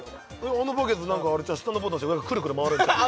あのバケツ下のボタン押して上がくるくる回るんちゃう？